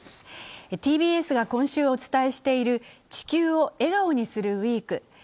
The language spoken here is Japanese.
ＴＢＳが今週お伝えしている「地球を笑顔にするＷＥＥＫ」。